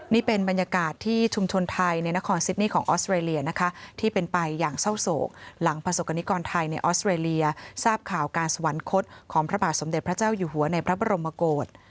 นี่เป็นบรรยากาศที่ชุมชนไทยในนครซิดนี่ของออสเตรเลียนะคะที่เป็นไปอย่างเศร้าโศกหลังประสบกรณิกรไทยในออสเตรเลียทราบข่าวการสวรรคตของพระบาทสมเด็จพระเจ้าอยู่หัวในพระบรมโกศ